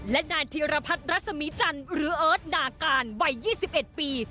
และนายธิรพัฒน์รัศมีจันทร์หรือเอิร์ทดาการวัย๒๑ปี